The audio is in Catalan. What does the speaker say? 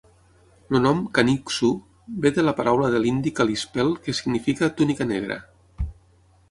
El nom "Kaniksu" ve de la paraula de l'indi kalispel que significa "túnica negra".